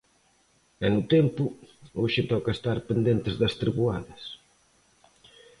E no tempo, hoxe toca estar pendentes das treboadas.